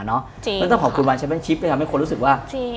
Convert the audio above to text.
แล้วถ้าขอบคุณว่าใช้แวนชิปเลยควรรู้สึกว่า